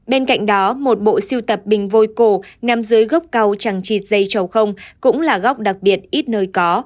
bên cạnh đó một bộ siêu tập bình vôi cổ nằm dưới góc cao trằng trịt dây trầu không cũng là góc đặc biệt ít nơi có